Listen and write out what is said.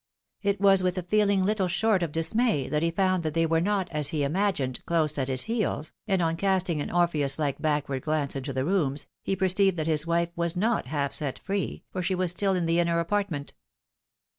It was with a feeling little short of dismay, that he found that they were not, as he imagined, close at his heels, and on casting an Orpheus hke backward glance into the rooms, he perceived that his wife was not half set free, for she was stiU in the inner apartment.